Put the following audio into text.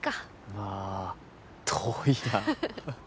まあ遠いな。